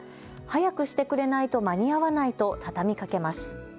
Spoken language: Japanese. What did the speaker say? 早くしてくれないと間に合わないと畳みかけます。